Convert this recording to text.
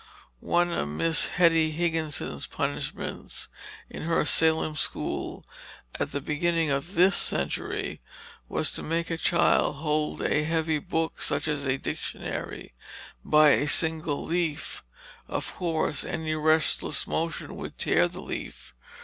One of Miss Hetty Higginson's punishments in her Salem school at the beginning of this century was to make a child hold a heavy book, such as a dictionary, by a single leaf. Of course any restless motion would tear the leaf.